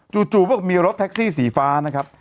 จู่เพราะมีรถแท็กซี่สีฟ้านะครับ